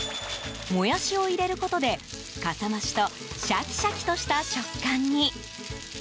モヤシを入れることでかさましとシャキシャキとした食感に。